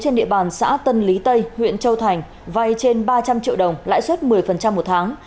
trên địa bàn xã tân lý tây huyện châu thành vay trên ba trăm linh triệu đồng lãi suất một mươi một tháng